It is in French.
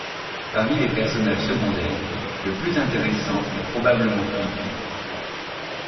Parmi les personnages secondaires, le plus intéressant est probablement Flip.